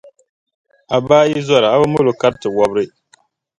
A baa yi zɔra, a bi mal’ o kariti wɔbiri.